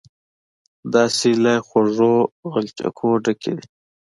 داسې له خوږو غلچکو ډکې دي.